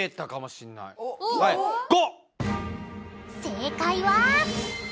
正解は「５」！